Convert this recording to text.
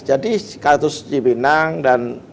jadi kasus cipinang dan